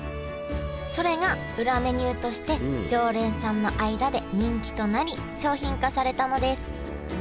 それが裏メニューとして常連さんの間で人気となり商品化されたのですへえ